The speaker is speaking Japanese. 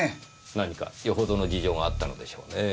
何かよほどの事情があったのでしょうねぇ。